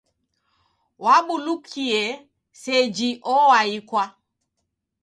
Wabulukie, seji oaikwa!